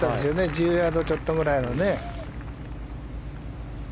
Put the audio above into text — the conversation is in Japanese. １０ヤードちょっとくらいのね。